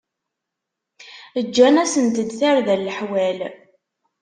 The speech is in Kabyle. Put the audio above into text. Ǧǧan-asent-d tarda n leḥwal.